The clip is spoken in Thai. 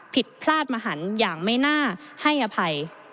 ผิดพลาดมหันอย่างไม่น่าให้อภัย